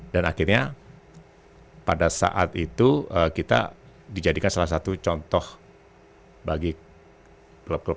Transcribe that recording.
dan akhirnya pada saat itu kita dijadikan salah satu contoh bagi kelop kelopan